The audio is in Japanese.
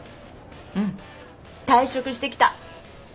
うん退職してきた！